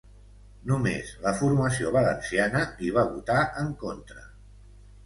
Només la formació valenciana hi va votar en contra.